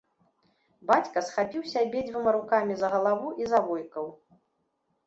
Бацька схапіўся абедзвюма рукамі за галаву і завойкаў.